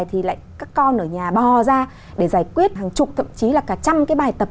thì lại các con ở nhà bò ra để giải quyết hàng chục thậm chí là cả trăm cái bài tập